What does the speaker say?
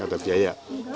gak ada biaya